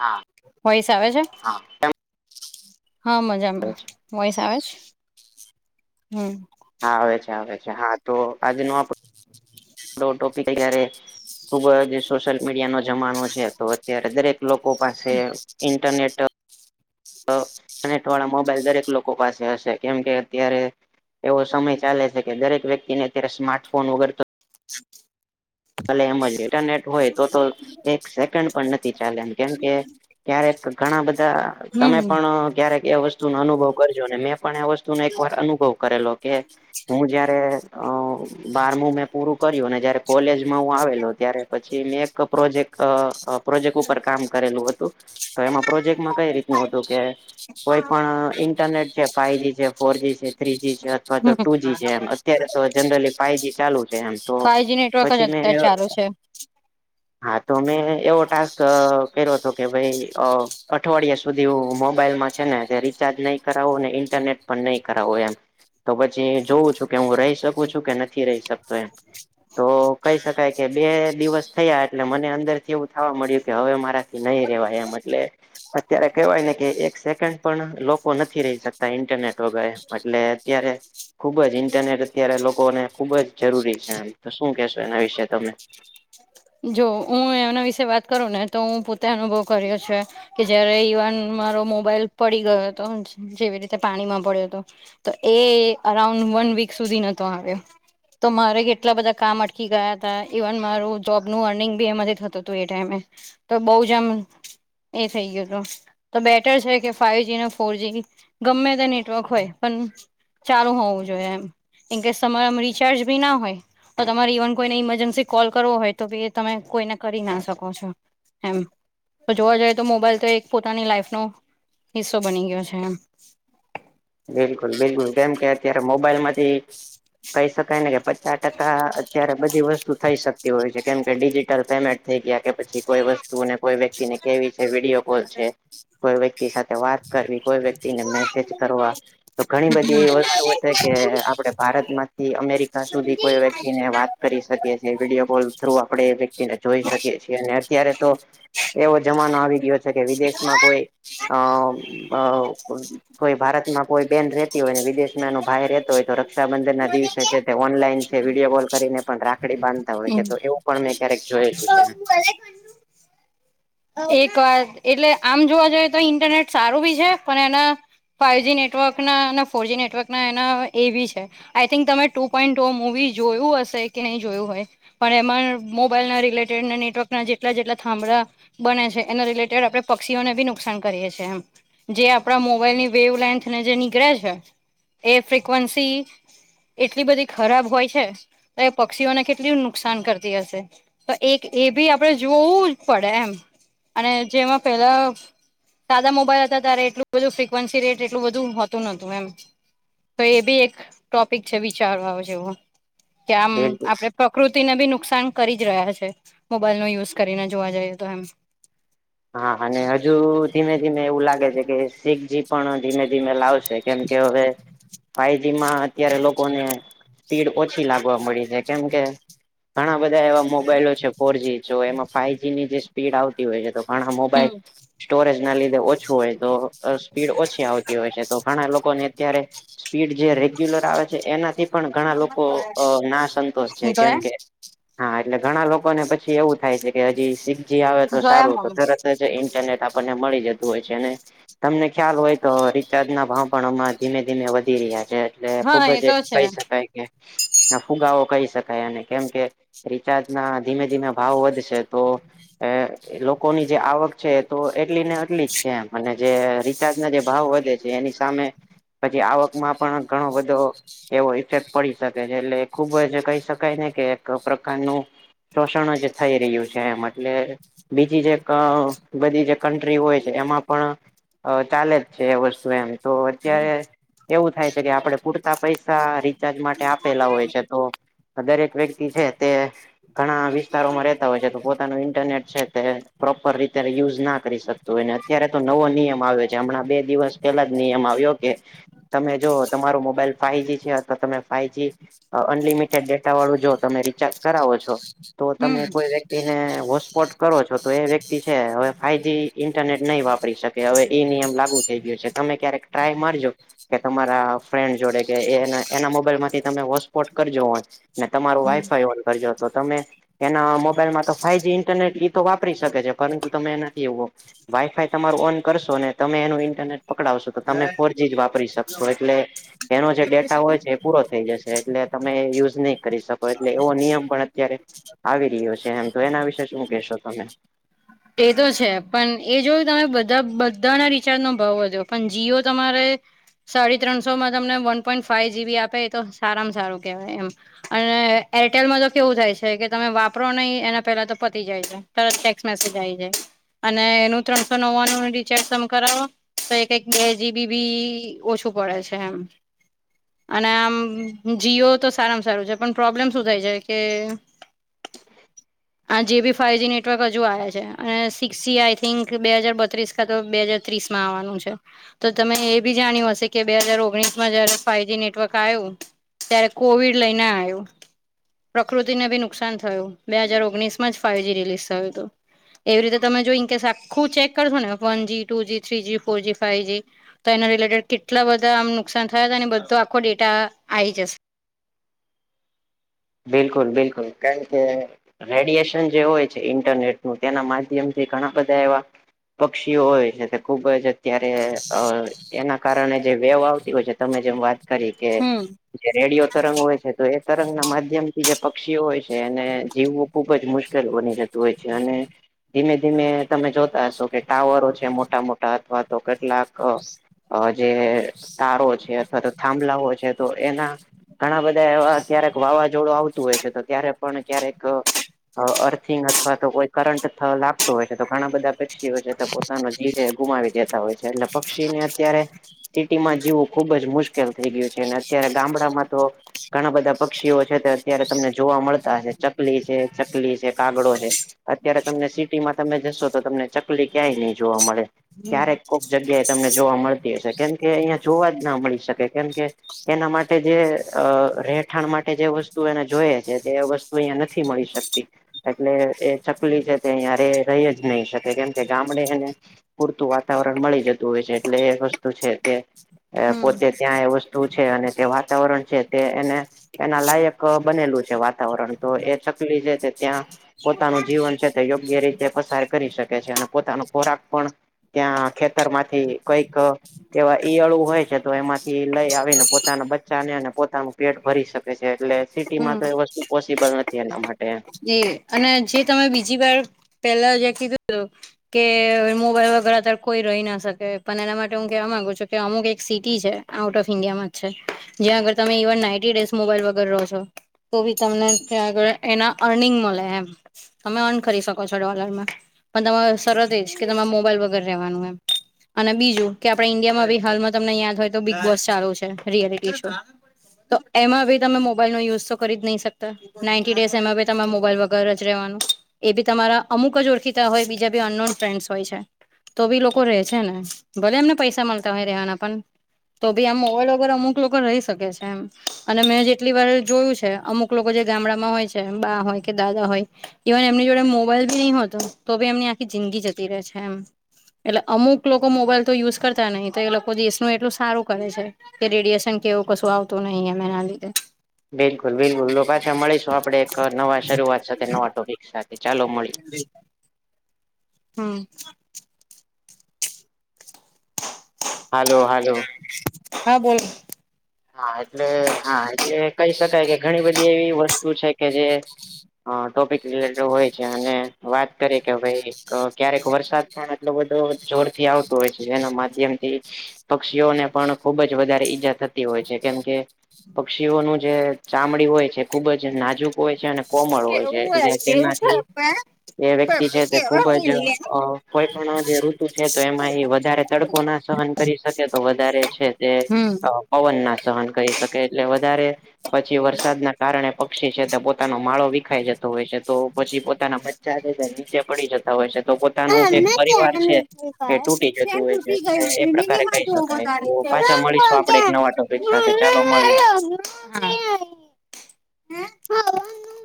હા વોઇસ આવે છે? હા હા હા, મજામાં, વોઈસ આવે છે? હમ્મ. હા, આવે છે, આવે છે, હા તો આજનો આપણ પણો ટોપિક [unintelligible] ખુબ જ સોશિયલ મીડિયા નો જમાનો છે, તો અત્યારે દરેક લોકો પાસે ઇન્ટરનેટ. અને વાળા મોબાઈલ દરેક લોકો પાસે હશે, કેમ કે અત્યારે એવો સમય ચાલે છે કે દરેક વ્યક્તિને અત્યારે સ્માર્ટફોન વગર તો [inaudible] ભલે એમ જ ઇટરનેટ હોય તો તો એક સેકન્ડ પણ નથી ચાલે એમ કેમકે ક્યારેક તો ઘણા બધા તમે હમ પણ ક્યારેક એ વસ્તુ નો અનુભવ કરજો ને મેં પણ એ વસ્તુનો એક વાર અનુભવ કરેલો કે હું જયારે બારમું મેં પૂરું કર્યું ને જયારે કોલેજ હું આવેલો ત્યારે પછી મેં એક પ્રોજેક્ટ પ્રોજેક્ટ ઉપર કામ કરેલું હતું તો એમાં પ્રોજેક્ટમાં કઈ રીતનું હતું કે કોઈ પણ ઇન્ટરનેટ છે ફાઈજી છે ફોરજી છે. થ્રીજી છે અથવા તો હમ ટુ જી છે એ અત્યારે તો જનરલી ફાઈ જી ચાલુ છે એમ તો ફાઈવજી નેટવર્ક જ પછી મે અત્યારે ચાલુ છે હા તો મેં એવો ટાસ્ક કર્યો હતો કે ભાઈ અઠવાડિયા સુધી હ મોબાઈલમાં છે ને તે રિચાર્જ નહી કરાવો ને ઈન્ટરનેટ પણ નહી કરાવવો એમ તો પછી જોઉં છું કે હું રહી શકું છું કે નથી રહી શકતો એમ તો [inaudible] કહી શકાય કે બે દિવસ થયા એટલે મને અંદર થી એવું થવા મળ્યું કે હવે મારા નહી રહેવાય એમ એટલે અત્યારે કહેવાય ને કે એક સેકન્ડ પણ લોકો નથી રહી શકતા ઇન્ટરનેટ વગર એટલે અત્યારે ખુબ જ ઇન્ટરનેટ અત્યારે લોકોને ખુબ જ જરૂરી છે તો શું કેહેશો? એના વિશે તમે જો હું એમના વિશે વાત કરું ને તો હું પોતે અનુભવ કર્યો છે. કે જયારે ઈવન મારો મોબાઈલ પડી ગયો હતો જેવી રીતે પાણીમાં પડ્યો હતો તો એ અરાઉન્ડ વન વીક સુધી નતો આવ્યો તો મારે કેટલા બધા કામ અટકી ગયા હતા ઇવન મારું સ્ટોકનું અર્નિંગ બી એમાંથી થતું હતું એ ટાઈમે તો બહુ જ આમ એ થઈ ગયું હતું તો બેટર છે કે ફાઈવ જી ને ફોરજીી ગમે તે નેટવર્ક હોય પણ ચાલુ હોવું જોઈએ એમ ઇન કેસ તમારામાં રિચાર્જ બી ના હોય તો તમારે ઇવન કોઈને ઈમરજન્સી કોલ કરવો હોય તો બી એ તમે કોઈને કરી ના શકો છો એમ તો જોવા જઈએ તો મોબાઈલ તો એક પોતાની લાઈફનો હિસ્સો બની ગયો છે એમ બિલકુલ બિલકુલ કેમ કે અત્યારે મોબાઈલમાંથી કહી શકાય ને કે ચાર ટકા અત્યારે બધી વસ્તુ થઈ શકતી હોય છે કેમ કે ડિજિટલ પેમેન્ટ થઈ ગયા કે પછી કોઈ વસ્તુ ને કોઈ વ્યક્તિને કેવી છે વિડીયો કોલ છે કોઈ વ્યક્તિ સાથે વાત કરવી કોઈ વ્યક્તિને મેસેજ કરવા તો ઘણી બધી એવી વસ્તુઓ છે કે આપડે ભારત માંથી અમેરિકા સુધી કોઈ વ્યક્તિને વાત કરી શક યે છે વિડીયો કોલ થ્રુ આપણે એ વ્યક્તિને જોઈ શકીએ છીએ અને અત્યારે તો એવો જમાનો આવી ગયો છે કે વિદેશમાં કોઈ અ અ કોઈ ભારતમાં કોઈ બેન રતી હોય ને વિદેશમાંએનો ભાઈ રહેતો હોય તો રક્ષાબંધન ના દિવસે છે તે ઓનલાઈન છે વિડીયો કોલ કરીને પણ રાખડી બાંધતા હોય કે તો એવું પણ મેં ક્યારેક જોયેલું છે. કલેખંડુ [unintelligible] એક વાત એટલે આમ જોવા જઈએ તો ઇન્ટરનેટ સારું બી છે પણ એના ફાઈવ જ નેટવર્ક ના અને ફોરજી નેટવર્ક ના એના એ બી છે. આઈ થિંક તમે ટુ પોઈન્ટ ટુ મુવી જોયું હશે કે નહી જોયું હોય પણ એમાં મોબાઈલના રિલેટેડ નેટવર્ક ના જેટલા જેટલા થાંભળા બને છે એને રિલેટેડ આપણે પક્ષીઓને બી નુકસાન કરીએ છેએ એમ જે આપણા મોબાઈલની વેવ લેન્થને જે નીકળે છે એ ફ્રિકવન્સી એટલી બધી ખરાબ હોય છે તો એ પક્ષીઓને કેટલી નુકસાન કરતી હશે? તો એક એ બી આપડે જોવું જ પડે એમ. અને જેમાં પેલા સાદા મોબાઈલ હતા ત્યારે એટલું બધું ફ્રિકવન્સી રેટ બધું હોતું નતું એમ. તો એ બી એક ટોપિક છે વિચારવા જેવો કે આમ બિલકુલ આપડે પ્રકૃતિને બી નુકસાન કરી જ રહ્યા છે, મોબાઈલનો યુઝ કરીને જોવા જઈએ તો એમ. હા અને હજુ ધીમે ધીમે એવું લાગે છે કે શીખજી પણ ધીમે ધીમે લાવશે. છે કેમ કે હવે ફાઈવજી માં અત્યારે લોકોને સ્પીડ ઓછી લાગવા મળી છે કેમ કે ઘણા બધા એવા મોબાઈલો છે ફોરજી જો એમાં ફાઈવજીની જે સ્પીડ આવતી હોય તો પણ આ મોબાઈલ હમ સ્ટોરેજ ના લીધે ઓછું તો અહ સ્પીડ ઓછી આવતી હોય છે તો ઘણા અત્યારે સ્પીડ જે રેગ્યુલર આવે છે એનાથી પણ ઘણા લોકો અહ નાશન તોષ છે કેમ ગયા કે હા એટલે ઘણા લોકોને પછી એવું થાય છે કે હજી સિખ જી આવે તો ગયા સારું તો મમ્મી તરત ઇન્ટરનેટ આપણને મળી જતું હોય છે અને તમને ખ્યાલ હોય તો રીચાર્જ ના ભાવ પણ અમાં ધીમે ધીમે વધી રહ્યા છે એટલે ખુબ હા એ જ તો છે કહી શકાય કે, ફુગો કહી શકાય અને કેમ કે જે રિચાર્જ ના ધીમે ધીમે ભાવ વધશે તો એ એક લોક લોકોની જે આવક છે તો એટલી ને એટલી જ છે એમ, અને જે રિચાર્જ ના જે ભાવ વધે છે જે એની સામે પછી આવકમાં પણ ઘણો બધો એવો ઇફેક્ટ પડી શકે છે, એટલે ખુબ જ કહી શકાય ને કે એક પ્રકારનું શોષણ જ થઈ રહ્યું છે એમ એટલે ટી જેક અહ બધી જે ક બધી જે કન્ટ્રી હોય છે એમાં પણ અહ ચાલે જ છે એ વસ્તુ એમ. તો છે ને. અત્યારે એવું થાય છે કે આપડે પૂરતા પૈસા રિચાર્જ માટે આપેલા હોય છે તો દરેક વ્યક્તિ છે તે ઘણા વિસ્તારોમાં રહેતા હોય છે તો પોતાનું ઇન્ટરનેટ છે. તે પ્રોપર રીતે રીયુઝ ના કરી શકતું હોયને અત્યારે તો નવો નિયમ આવે છે. હમણાં બે દિવસ પેલા જ નિયમ આવ્યો કે તમે જો તમારો મોબાઈલ ફાઈવજી છે આ તો તમે ફાઈવજી અહ અનલિમિટેડ ડેટા વાળું જો તમે રિચાર્જ કરાવો છો તો તમે હમ કોઈ વ્યક્તિને હોસ્પોટ કરો છો, તો એ વ્યક્તિ છે હવે ફાઈવ જ ઇન્ટરનેટ નહી વાપરી શકે હવે ઈ નિયમ લાગુ થઈ ગયું છે. તમે ક્યારેક ટ્રાય મારજો કે તમારા ફ્રેન્ડ જોડે કે એ એના મોબાઈલ માંથી તમે હોસ્પોટ કરજો ઓન ને તમારું હમ વાઈફાઈ ઓન કરજો તો તમે એના મોબાઈલમાં ફાઈવજી ઇન્ટરનેટ તો વાપરી શકે છે, પરંતુ તમે એ નથી એવો. વાઈફાઈ તમારું ઓન કરશો ને તમે એનું ઇન્ટરનેટ પકડાવશો તો તમે ફોરજી જ વાપરી શકશો એટલે એનો જે ડેટા હોય છે એ પૂરો થઈ જશે એટલે તમે યુઝ નહી કરી શકો એટલે એવો નિયમ પણ અત્યારે આવી રહ્યો છે એમ, તો એના વિશે શું કેશો તમે? એ તો છે પણ એ જોયું તમે બધા બધાના રિચાર્જનો ભાવ વધો પણ જીઓ તમારે સાડી ત્રણસો માં તમને વન પોઈન્ટ ફાઇઈવ જી બી આપે એ તો સારામાં સારું કેહેવાય એમ. અને એરટેલમાં તો કેવું થાય છે કે તમે વાપરો નહીં એના પેલા તો પતી જાય છે. તરત ટેક્સ મેસેજ આવી જાય અને એનું ત્રણસો નવ્વાણુંનું રિચાર્જ તમે કરાવો તો એક એક બે જી બી બી ઓછું પડે છે એમ. અને આમ જી ઓ તો સારામાં સારું છે. પણ પ્રોબ્લેમ શું થાય છે કે આ જે બી ફાઈવજી નેટવર્ક હજુ આયા છે. અને સિક્સ જી આય થીંક, બે હાજર બત્રીસ કા તો બે હાજર ત્રીસ માં આવાનું છે. તો તમે એ બી જાણ્યું હશે કે, બે હજાર ઓગણીસ માં જયારે ફાઈવજી નેટવર્ક આયુ -- ત્યારે કોવિડ લઈને આયુ. પ્રકૃતિને બી નુકસાન થયું, બે હાજાર ઓગણીસ માં જ ફાઈવજી રિલીઝ થયું તું. એવી રીતે તમે જોઈ ને કેશો, આખું ચેક કરશો ને one G, two G, three G, four G, five G -- તો એના રિલેટેડ કેટલા બધા આમ નુકસાન થયા હતા અને બધો આખો ડેટા આ આયી જશે. બિલકુલ બિલકુલ કારણ કે, - - રેડિયશન જે હોય છે ઇન્ટરનેટ નું તેના માધ્યમથી ઘણા બધા એવા -- પક્ષીઓ હોય છે તે ખૂબ જ- ત્યારે અ એના કારણે જે વેવ આવતી હોય છે, તમે જેમ વાત- - કરી કે, હમ જે રેડિયો તરંગ હોય છે તો એ તરંગ ના માધ્યમ થી જે પક્ષીઓ હોય છે- -કે એને જીવવું ખુબ જ મુશ્કેલ બની જતું હોય છે અને, - ધીમે ધીમે તમે જોતા હશો કે, ટાવરો છે મોટા મોટા અથવા તો કટલાક અ- અ જે તારો છે, અથવા તો થાંભલાઓ છે, તો એના- ઘણા બધા એવા ક્યારેક વાવાઝોડું આવતું હોય છે, તો ત્યારે પણ ક્યારેક અ- અ અર્થિંગ અથવા તો કોઈ કરંટ થવા લાગતો હોય છે, તો ઘણા બધા પક્ષીઓ છે તે -- જીવ જે ગુમાવી દેતા હોય છે. એટલે પક્ષીને અત્યારે- -સિટી માં જીવવુ ખુબ જ મુશ્કેલ થઈ ગયું છે. અને અત્યારે ગામડામાં તો- ઘણા બધા પક્ષીઓ છે તે, અત્યારે તમને જોવા મળતા હશે, ચકલી છે ચકલી છે કાગડો છે. અત્યારે તમને સિટીમાં તમે જશો તો તમને ચકલી ક્યાંય નહી જોવા મળે, હમ ક્યારેક કોક જગ્યા એ- - તમને જોવા મળતી હશે, કેમ કે અહિયાં જોવા જ ના મળી શકે કેમ કે, - એના માટે, જે અ રહેઠાણ માટે જે વસ- - તુ એને જોઈએ છે કે, એ વસ્તુ અહીંયાં નથી મળી શકતી, - -એટલે એ ચકલી છે તે અહીંયા રહી જ નહી શકે કેમ કે ગામડે હેને - પૂરતું વાતાવરણ મળી જતું હોય છે, એટલે એ વસ્તુ છે તે- એ હમ પોતે ત્યાં એ વસ્તુ છે, અને તે વાતાવરણ છે, તે એને એના લાયક- - ક બનેલું છે વાતાવરણ તો એ ચકલી જે તે ત્યાં -- પોતાનું જીવન છે તે યોગ્ય રીતે પસાર કરી શકે છે, અને પોતાનો ખોરાક પણ- ત્યાં ખેતર માંથી કઈક, એવા ઈયળો હોય છે, તો એમાંથી લઈ આવીને પોતાના બચ્ચાને અને પોતાનું પેટ ભરી શકે છે. એટલે - - સિટીમાં તો એ વસ્તુ પોસીબલ નથી એના માટેએમ - એ અને જે તમે બીજી વાર, પેલા જે કીધું તું - - કે મોબાઈલ વગર અતારે કોઈ રહી ના શકે, પણ એના માટે હું કેવા માંગુ છું કે, અમુક એક સિટી છે. આઉટ ઓફ ઇન્ડિયામાં જ છે. જયા અગર તમે ઇવન નાઇન્ટી ડેઝ મોબાઈલ વગર રહો છો, - તો બી તમને આગળ એના અર્નિંગ મળે એમ. તમે અર્ન કરી શકો છો ડોલરમાં, પણ તમારે શરત એજ કે તમારે મોબાઈલ વગર રહેવાનું એમ. અને બીજુ, કે આપડે ઈન્ડિયામાં ભી હાલમાં તમને યાદ હોય તો બિગ બોસ ચાલુ છે. રિયલિટી શો- તો એમાં બી તમે મોબાઈલ નો યુઝ તો કરી જ નહી શકતા. નાઇન્ટી ડેઝ એમાં- તમારે મોબાઈલ વગર જ રેવાનું. - એબી તમારા અમુક જ ઓળખીતા હોય બીજા બી અનનોન ફ્રેન્ડસ હોય છે. તો બી લોકો રે છે ને, ભલે એમને પૈસા મળતા હોય રહેવાના. પણ- તો ભી આમ મોબાઇલ વગર અમુક લોકો રહી શકે છે. એમ અને મેં જેટલી વાર જોયું છે અમુક - -લોકો જે ગામડામાં હોય છે, બા હોય કે દાદા હોય. - ઇવન એમની જોડે મોબાઈલ બી નહી હોતો તો ભી એમની આખી જિંદગી જતી રહે છે. એમ- એટલે અમુક લોકો મોબાઈલ તો યુઝ કરતા નહિ તો એ લોકો દેશનું એટલું સારું કરે છે. કે રેડિયશન કે એવું કશું આવતું નહી એમ એના લીધે. બિલકુલ બિલકુલ લો પાછા મળીશું આપડે એક નવા શરૂઆત સાથે નવા ટોપિક સાથે ચાલો મળી એ. [unintelligible] હમ, હાલો હાલો, હા બોલ, હા એટલે હા એટલે કહી શકાય કે ઘણી બધી એવી વસ્તુ છે કે જે, હ ટોપિક રિલેટેડ હોય છે અને વાત કરી કે ભઈ, ક્યારેક વરસાદ પણ એટલો બધો જોરથી આવતો હોય છે જેના માધ્યમથી, પક્ષીઓને પણ ખુબ જ વધારે ઈજા થત હોય છે કેમ કે પક્ષીઓનું જે ચામડી હોય છે ખુબ જ નાજુક હોય છે અને કોમળ હોય છે, એટલે તેનાથી એ વ્યક્તિ તે ખુબ જ અ કોઈ પણ જે ઋતુ છે તો એમાં એ વધારે તડકો ના સહન કરી શકે તો વધારે છે તે, હમ પવન ના સહન કરી શકે એટલે વધારે, પછી વરસાદના કારણે પક્ષી છે તે પોતાનો માળો વિખાય જતો હોય છે તો પછી પોતાના પ [unintelligible] નીચે પડી જતા હોય છે. તો પોતાનું એક પરિવાર છે, એ તૂટી જતું હોય છે એ પ્રકારે કહી શકાય, તો પાછા મળીશું આપડે એક નવા ટોપિક સાથે ચાલો મળી. [unintelligible]